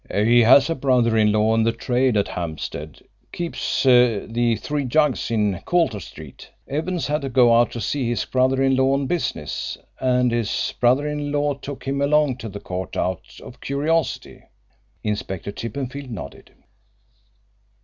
"He has a brother in law in the trade at Hampstead keeps the Three Jugs in Coulter Street. Evans had to go out to see his brother in law on business, and his brother in law took him along to the court out of curiosity." Inspector Chippenfield nodded.